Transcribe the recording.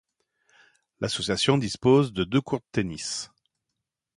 L'association dispose de deux courts de tennis.